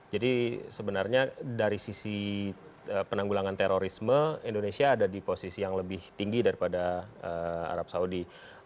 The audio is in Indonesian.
jadi sebenarnya dari sisi penanggulangan terorisme indonesia ada di posisi yang lebih tinggi daripada arab saudi